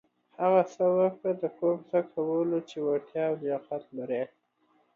هغه څه وکړه د کوم څه کولو چې وړتېا او لياقت لرٸ.